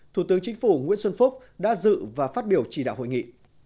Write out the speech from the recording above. thủ tướng chính phủ nguyễn xuân phúc đã dự và phát biểu chỉ đạo hội nghị